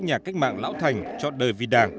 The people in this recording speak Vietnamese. nhà cách mạng lão thành cho đời vì đảng